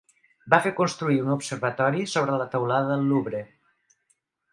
Va fer construir un observatori sobre la teulada del Louvre.